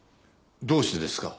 どうしてですか？